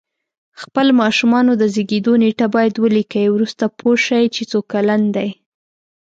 خپل ماشومانو د زیږېدو نېټه باید ولیکئ وروسته پوه شی چې څو کلن دی